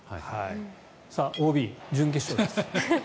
ＯＢ、準決勝です。